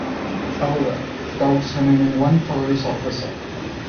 However, doubts remain in one police officer.